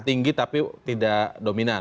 tinggi tapi tidak dominan